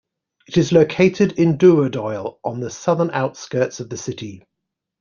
It is located in Dooradoyle, on the southern outskirts of the city.